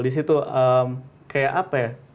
disitu kayak apa ya